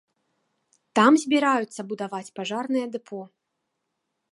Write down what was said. Там збіраюцца будаваць пажарнае дэпо.